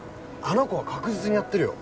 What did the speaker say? あの子は確実にやってるよ。